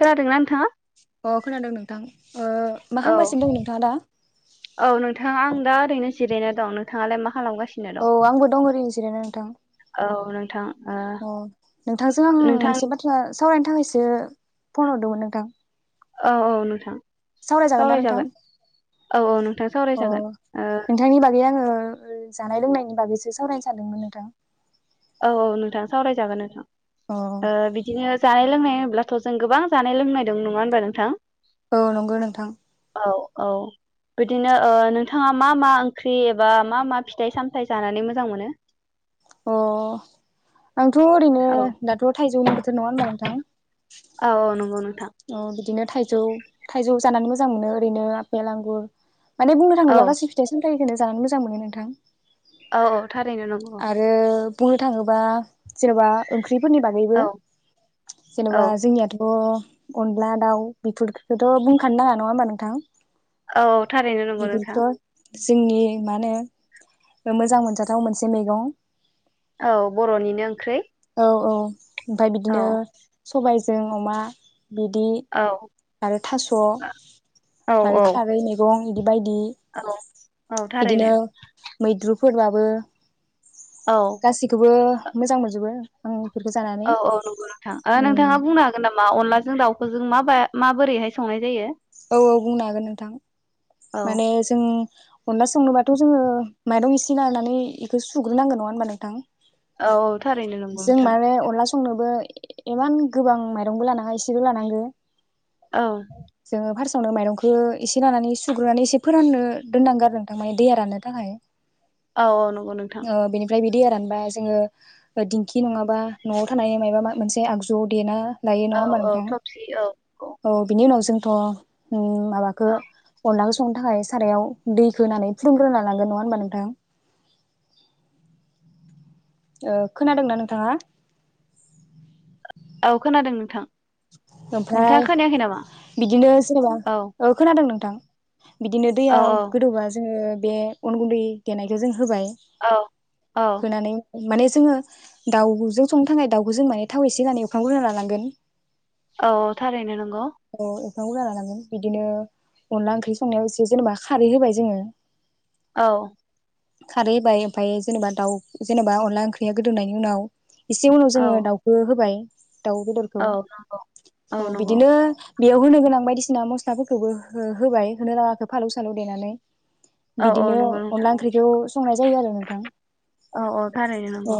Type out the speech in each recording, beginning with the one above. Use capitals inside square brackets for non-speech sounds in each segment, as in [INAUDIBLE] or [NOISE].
खोनादोंना नोंथाङा अ खोनादों नोंथां ओ मा औ खालाम गासिनो दं नोंथाङा दा औ नोंथां आं दा ओरैनो जिराय दं नोंथाङालाय मा खालामगास औ आंबो दं ओरैनो जिरायना नोंथां औ नोंथां ओ औ नोंथांजों आं नोंथां मोनसे बाथ्रा सावरायनो थाखायसो फन हरदोंमोन नोंथां औ औ नोंथां सावरायजागोन दा नोंथां औ औ नोंथां अ सावरायजागोन ओ नोंथांनि बागै आङो ओ ओ जानाय लोंनायनि बागैसो सावरायनो सानदोंमोन नोंथां औ औ नोंथां सावरायजागोन नोंथां अ ओ बिदिनो जा लोंनाय होनोबथ' जों गोबां जानाय लोंनाय दं नङा होनबा नोंथां औ नंगौ नोंथां औ औ बिदिनो नोंथाङा मा मा ओंख्रि एबा मा मा फिथाइ सामथाइ जानानै मोजां मोनो अ आंथ' ओरैनो औ दाथ' थाइजौनि बोथोर नङा होनबा नोंथां औ औ नोंगौ नोथां अ बिदिनो थाइजौ थाइजौ जानानै मोजां मोनो ओरैनो आपेल आंगुर माने बुंनो औ थाङोब्ला गासै फिथाय साम [UNINTELLIGIBLE] जानो मोजां मोनो नोंथां औ औ थारैनो नंगौ आरो बुंनो थाङोबा जेनेबा ओंख्रि [UNINTELLIGIBLE] नि बागैबो औ जेन'बा जोंनियाथ' अनला दाउ बेफोरखौथ' बुंखानो नाङा नङा होमबा नोंथां औ थारैनो नंगौ नोंथां। बेफोरखौथ' जोंनि मा होनो मोजां मोनजाथाव मोन से मैगं औ बर'निनो ओंख्रै औ औ ओमफ्राय बिदिनो सबायजों अमा बिदि औ आरो थास' औ आरो खारै मैगं इदि बायदि औ औ थारैनो बिदिनो मैद्रु फोरबाबो औ गासिखौबो मोजां मोनजोबो औ औ औ नंगौ नोंथां ओ नोंथाङा बुंनो हागोन नामा अनलाजों दाउखौजों माबा माबोरैहाय संनाय जायो? औ औ बुंनो हागोन नोंथां औ माने जों अनला संनोबाथ' जोङो माइरं एसे लानानै एखौ सुग्रोनांगोन नङा होनबा नोंथां? औ औ थारैनो नंगौ जों नोंथां माने अनला संनोबो इमान गोबां माइरंबो लानाङा एसेल लानांगो औ जोङो फार्स्टआवनो माइरंखौ एसे लानानै सुग्रोनानै एसे फोराननो दोननांगोन आरो थारमाने दैया राननो थाखाय। औ औ नंगौ नोंथां ओ बेनिफ्राय बे दैया रानबा जोङो दिंखि नङाबा न'आव थानाय मायबा मोनसे आगजुआव देना लायो नङा औ होमबा औ नोंथां थबसि औ औ बिनि उनाव जों थ' उम माबाखो अनलाखौ सु संनो थाखाय सारायाव दैखौ होनानै फुलुंग्रोना लानांगोन नङा होनबा नोंथां। ओ खोनादोंना नोंथाङा? औ खोनादों नोंथां। नोंथाङा ओमफ्राय खोनायाखै नामा बिदिनो सोरबा औ ओ खोनादों नों थां बिदिनो औ दैया गोदौबा जोङो बे अन गुन्दै देनायखौ जों होबाय औ औ होनानै माने जोङो दाउजों संनो थाखाय दाउखौ जों माने थाव एसे होनानै एवखांग्रोना लानांगोन औ थारैनो नं औ बिफां गुरजा लानांगोन बिदिनो अनला ओंख्रि संनायाव एसे जेनेबा खारै होबाय जोङो औ खारै होबाय ओमफ्राय जेनेबा दाउ जेनेबा अनला ओंख्रिया गोदौनायनि उनाव एसे उनाव औ जोङो दाउखो होबाय दाउ बेदरखौ औ नंगौ औ बिदिनो बेयाव होनो गोनां बायदिसिना मस्लाफोरखौबो हो होबाय होनोलागाखौ फालौ सालौ देनानै औ औ बिदिनो नंगौ नोंथां अनला ओंख्रिखौ संनाय जायो आरो नोंथां औ औ थारैनो अ नंगौ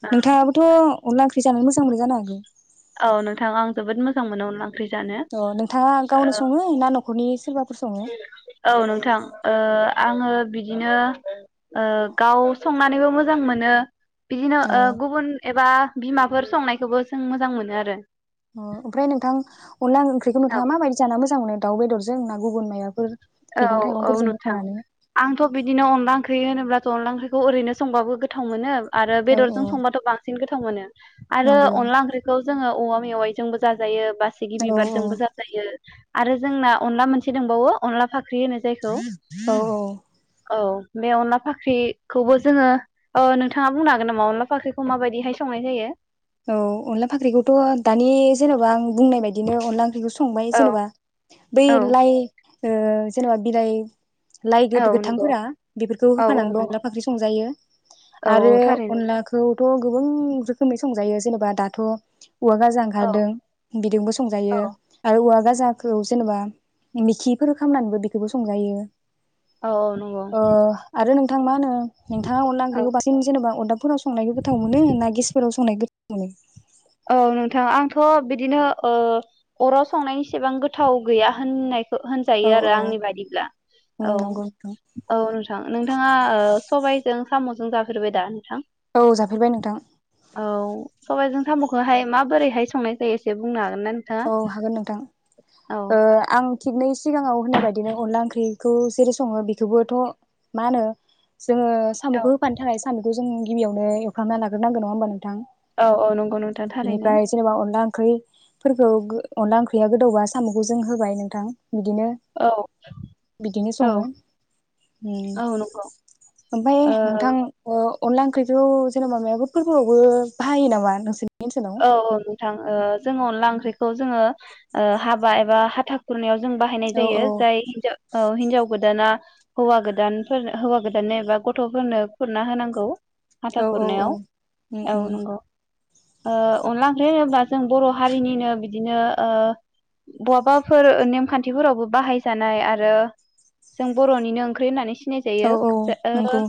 ओ नोंथाङाबोथ' अनला ओंख्रि जानो मोजां मोनो जानो हागौ औ नोंथां आं जोबोद मोजां मोनो अनला ओंख्रि जानो अ नोंथाङा गावनो सङो ना न' खरनि औ नोंथां आङो बिदिनो ओ गाव संनानैबो मोजां मोनो बिदिनो अ ओ गुबुन एबा बिमाफोर संनायखौबो जों मोजां मोनो आरो अ ओमफ्राय नोंथां अनला ओंख्रिखौ नोंथाङा माबायदि जानो मोजां मोनो? दाउ बेदरजों ना गुबुन मायबाफोर औ औ नुथां आंथ' बिदिनो अनला ओं ख्रि होनोब्लाथ' अनला ओंख्रि ओरैनो संबाबो गोथाव मोनो आरो औ औ बेदरजों संबाथ बांसिन गोथाव थाव मोनो आरो नंगौ अनला ओंख्रिखौ जोङो औवा मेवाइजोंबो जाजायो बासिगि औ औ बिबारजोंबो जाजायो आरो जोंना अनला मोनसे दोंबावो अनलाफा फाख्रि होनो जायखौ औ औ बे अनला फाख्रिखौबो जोङो ओ नोंथाङा बुंनो हागोन नामा अनला फाख्रिखौ माबायदिहाय संनाय जायो? औ अनला फाख्रिखौथ' दानि जेनबा आं बुंनाय बादिनो अनला ओं संबाय औ जेनेबा औ बेैलाय ओ जेनबा बिलाइ लाइ औ नंगौ गो-गोथांफोरा बेफोरखौ औ औ होफानानैबो नंगौ अनला फख्रि संजायो औ आरो औ थारैनो अनलाखौ थ' गोबां रोखोमनि संजायो जेननोबा दाथ' औवा गाजा औ ओंखारदों बिदोंबो औ संजायो आरो औवा गा फुजाखौ जेनेबा मेखिफोर खालामनानैबो बेखौबो संजायो औ नंगौ थां मा होनो नोंथा अनला औ ओंख्रिखौ बांसिन जेनेबा अदाफोराव संनायखौ गोथाव मोन ना गेसफोराव संनाय गोथाव मोनो औ नोंथां आंथ' बिदिनो ओ अराव संनायनि इसेबां गोथाव गैया होननाय औ हो-होनजायो आरो औ आंनि बायदिब्ला औ नंगौ नोंथां औ नोंथां नोंथाङा सबायजों साम'जों जफेरबाय दा नोंथां? औ जाफेरबाय नोंथां औ सबायजों साम'खौहाय माबोरैहाय संनाय जायो एसे बुंनो हा औ हागोन नोंथां औ ओ आं थिगनै सिगाङाव होननाय बायदिनो अनला ओंख्रिखौ जेरै सङो बेखौबोथ' मा होनो जोङो औ साम'खौ होफानो थाखाय साम'खौ जों गिबियावनो एवखां नाग्रोनांगोन नङा होनबा नों औ औ नंगौ नोंथां थारैनो [UNINTELLIGIBLE] फोरफोरखौ अनला ओंख्रिया गो-गोदौबा साम'खौ जों होबाय नोंथां बिदिनो औ बिदिनो औ सङो उम औ नंगौ ओमफ्राय ओ नोंथांखौ ओ अनदला ओंख्रिखौ जेनेबा मायाबो फोरबोआवबो बाहायो नामा नोंसोरनि ओनसोलाव औ औ नोंथां ओ जोङो अनला ओंख्रिखौ जोङो ओ हाबा एबा हाथा खुरनायाव जों बाहायनाय औ जायो औ जाय हिनजाव औ हिनजाव गोदाना हौवा गोदानफोर हौवा गोदाननो एबा गथ'फोरनो खुरना होनांगौ हाथा औ औ औ खुरनायाव उम उम औ नंगौ ओ अनला ओंख्रि होनोब्ला जों बर' हारिनिनो बिदिनो ओ बहाबाफोर नेमखान्थिफोरावबो बाहायजानाय आरो जों बर'निनो ओंख्रि होननानै औ खोनायजायो औ जा ओ नंगौ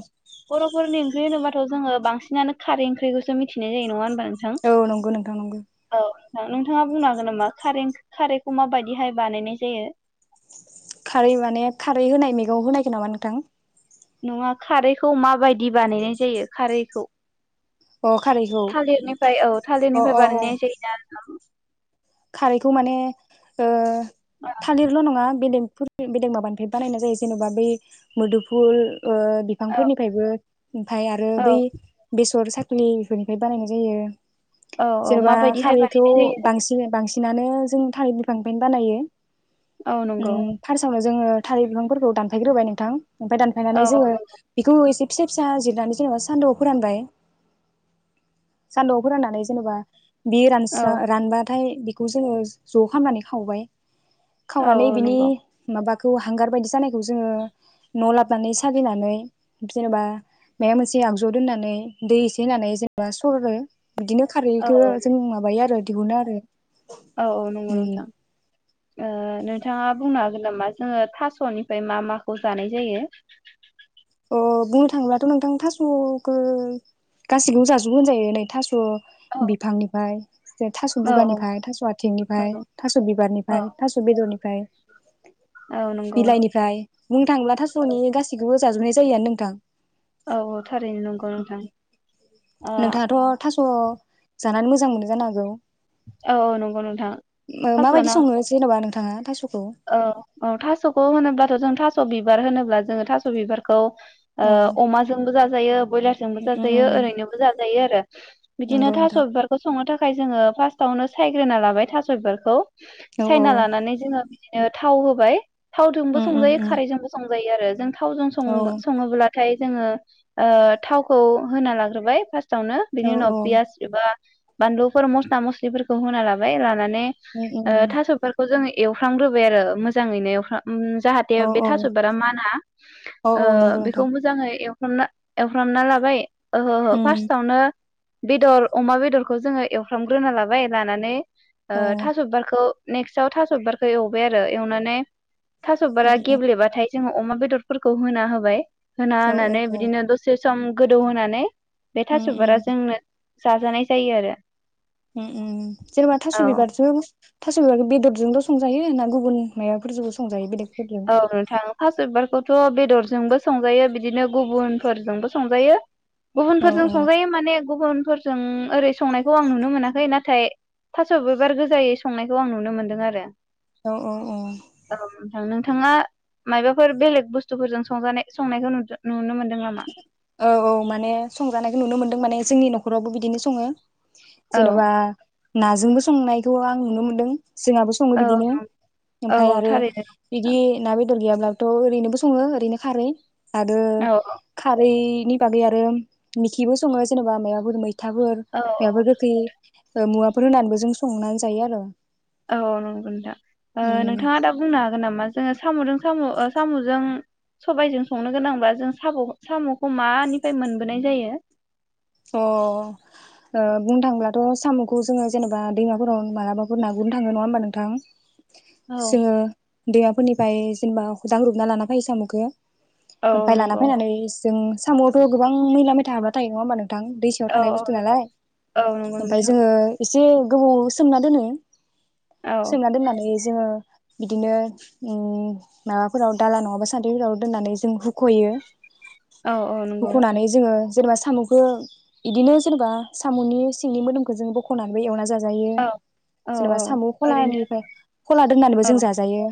बरफ फोरनि ओंख्रै होनोबाथ जोङो बांसिनानो खारै ओंख्रिखौसो मिथिनाय जायो नङा होनबा नोंथां? औ नंगौ नोंथां नंगौ औ नोंथाङा बुंनो हागोन नामा खार खारैखौ माबायदिहाय बानायनाय जायो? खारै माने खारै होनाय मैगंआव होनायखो नामा नोंथां नङा खारैखौ माबायदि बानायनाय जायो खारैखौ? अ खारैखौ थालिरनिफ्राय औ अ थालिरनिफ्राय अ औ बानायनाय जायो ना नोंथां खारैखौ माने ओ ना थालिरल' नङा बेलेग फोर बेलेग बेलेग माबानिफ्राय बानायनाय जायो जेनेबा बै मोदुफुल ओ औ बिफांफोरनिफ्रायबो ओमफाय आरो बै औ बेसर साख फुलिफोरनिफ्राय बानायनाय जायो। औ औ जेने'बा माबायदिहाय खारैखौ बानायनाय जायो बांसिन बांसिनानो जों थाल बिफांनि फाइनो बानायो। औ नंगौ फार्सआवनो जोङो थाल बिफांफोरखौ दानफायग्रोबाय नोंथां ओमफ्राय औ दानफायनानै जोङो बेखौ एसे फिसा फिसा जिरनानै जेनेबा सान्दुआव फोरानबाय सान्दुआव फोराननानै जेनेबा बियो रानस्रा औ रानबा हाय बेखौ जोङो ज' खालामनानै खावबाय औ खावनानै औ बिनि नंगौ माबा बेखौ हांगार बायदि जानायखौ जोङो न'आव लाबनानै साजलिनानै जेनेबा मायबा मोनसे आगजुआव दोननानै दै एसे होनानै जेनेबा सरो। बिदिनो औ खारैखो जों माबायो आरो दिहुनो आरो औ औ नंगौ उम नोंथां। बिथाङा बुंनो हागोन नामा जोङो थास'निफ्राय मा माखौ जानाय जायो? ओ बुंनो थाङोब्लाथ' नोंथां थास'खो गाैखौबो जाजोबो होनजायो नै थास' औ बिफांनिफ्राय जे थास' औ बुगानिफ्राय थास' आथिंनिफ्राय औ थास' औ बिबारनिफ्राय थास' बेदरनिफ्राय औ ओमफ्राय नंगौ बिलाइनिफ्राय बुंनो थांला थास'नि गासिखौबो जाजोबनाय जायोआनो नोंथां औ औ थारैनो नंगौ नोंथां स' जानानै मोजां मोनदों जानो हागौ? औ औ नंगौ नोंथां थास' माबायदि जानो संनो जेनेबा नोंथां थाङा थास' औ औ थास'खौ होनोब्ला जों थास' बिबार होनोब्ला जोङो थास' बिबारखौ ओ औ अमाजोंबो जा जायो ब्रयलारजोंबो उम जाजायो उम ओरैनोबो जाजायो आरो बिदिनो नंगौ थास' नोंथां बिबारखौ संनो थाखा थाखाय जोङो फास्ट आवनो सायग्रोना लाबाय थास' बिबारखौ औ औ सायना लानानै जोङो बिदिनो थाव होबाय थावजोंबो उम उम संजायो उम खारैजोंबो संजायो जायो आरो जों थावजों औ सं-सङोब्लाथाय जोङो ओ थावखौ होना लाग्रोबाय फार्स्ट वावनो औ बिनि उनाव औ पियास एबा बानलुफोर मस्ला मस्लिफोरखौ होना लाबाय लानानै उम बे उम थास' बिबारखौ जोङो फ्रामग्रोबाय आरो मोजाङैनो एवफ्राम ओम जाहाथे औ बे औ थास'बारा माना औ ओ औ नंगौ बेखौ नोंथां मोजाङै ना एवफ्रामना लाबाय ओहो ओहो उम फार्स्टआवनो बेदर अमा बेदरखौ जोङो एवफ्रामग्रोना लाबाय लानानै ओ औ थास' बिबारखौ नेक्स्टआव थास' बिबारखौ बेखौ एवबाय आरो एवनानै थास' बारा उम उम गेब्लेबाथाय जोङो अमा बेदरफोरखौ होना होबाय औ औ होननानै औ बिदिनो दसे सम गोदौ होनानै बे उम उम थास'फोरा जोंनो जाजानाय जायो आरो उम उम जेन'बा थास' औ बिबारजों थास' बिबारखौ बेदरजोंल' संजायो ना गुबुन माबफोरजोंबो संजायो बेलेग औ नोंथां थास'बिबारखौ बेखौथ' बेदरजोंबो संजायो बिदिनो गुबुनफोरजोंबो संजायो औ गुबुनफोरजों संजायो माने गुबुनफोरजों ओरै संनायखौ आं नुनो मोनाखै नाथाय थास' बिबार गोजायै संनायखौ आं नुनो मोन्दों आरो औ औ औ [UNINTELLIGIBLE] बिथाङा माइबाफोर बेलेग बुस्थुफोरजों संजानाय संनायखौ नुदों नुनो मोन औ औ माने संजानायखौ नुनो मोनो माने जोंनि न'खरावबो बिदिनो सङो औ जेनबा नाजोंबो संनायखौ आं नुनो मोन्दों जोंहाबो सङो औ बिदिनो ओमफ्राय औ आरो थारैनो बिदि ना बेदर बेदर गैयाब्लाबोथ' ओरैनोबो सङो ओरनो खारै आरो औ खारैनि बागै आरो मिखिबो सङो जेनेबा माइबा फोर मै खोथाफोर औ माइबाफोर गोखै ओ मुवाफोर होनानैबो जों संनानै जायो आरो औ नंगौ नोंथां ओ नोंथाङा दा बुंनो हागोन नामा जोङो साम'जों साम' साम'जों सबायजों संनो गोनांब्ला जों साम' साम'खौ मानिफ्राय मोनबोनाय जायो अ ओ बुंनो थाङब्लाथ' साम'खौ जोङो जेनेबा दैमाफोराव मोनाबाबो ना गुरनो थाङो नङा होमबा नोंथां औ जोङो दैमाफोरनिफ्राय जेनेबा [UNINTELLIGIBLE] लाना फायो साम'खौ औ ओमफाय लाना नंगौ फैनानै जों साम'आवथ' गोबां मैला मैथा हाबना थायो नङा होनबा नों थां दैसायाव औ थानाय बुस्थु नंगौ नालाय औ नंगौ ओमफाय नोंथां जोङो एसे गोबाव सोमना दोनो औ सोंना दोननानै जोङो बिदिनो ओम माबाफोराव दाला नङाबा सान्द्रिफोराव दोननानै जों हुख'यो औ औ नंगौ हुख'नानै जोङो जेनबा सामु [UNINTELLIGIBLE] इदिनो जेनेबा साम'नि सिंनि मोदोमखौ जों बख'नानैबो एवना जा जायो औ औ जेनबा औ सामु ओरैनो खलानिफ्राय खला दोननानैबो औ जों जाजायो‌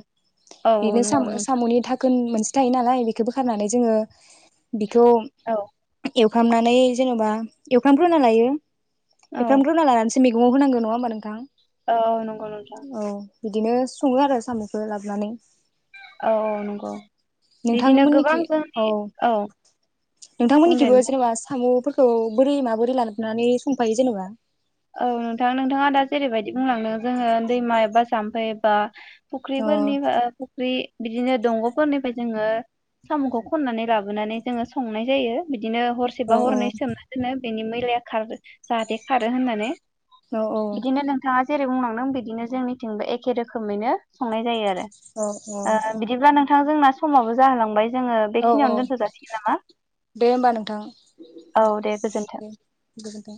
औ औ इनो नंगौ सामु नोंथां सामुनि धा खोन मोनसे थायो नालाय बेखौ बोखारनानै जोङो बिखौ औ एवखामनानै जेनेबा एवखफ्रामग्रोना लायो औ एवफ्रामग्रोना लानानैसो मेगंआव होनांगो नङा होमबा नोंथां ओ नंगौ नोंथां औ बिदिनो सङो आरो साम'खौ लाबोनानै औ औ नंगौ बिदिनो गोबां जोंनि औ बुंदे नोंथां थ बोरै माबोरै लाोनानानै संफायो जेनेबा औ नोंथां नोंथाङा दा जेरैबायदि बुंलांदों जोङो दैमा एबा जाम्फै एबा अ फुख्रिफोरनि फुख्रि बिदिनो दंग'फोरनिफ्राय जोङो साम'खौ खननानै लाबोनानै जोङो संनाय जायो बिदिनो औ हरसेबा औ हरनै सोमना दोनो बेनि मैलाया खार जाहाथे खारो होनना औ औ बिदिनो नोंथाङा जे बुंलांदों बिदिनो जोंनिथिंबो एखे रोखोमैनो संनाय जायो आरो औ ओ बिदिब्ला नों बिथांजोंना समाबो जाहोलांबाय। जोङो औ औ बेखिनियावनो दोनथ' जाासिगोन नामा दे होमबा नोंथां औ दे गोजोन्थों दे गोजोनथों